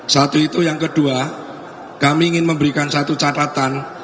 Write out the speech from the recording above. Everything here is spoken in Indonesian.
satu itu yang kedua kami ingin memberikan satu catatan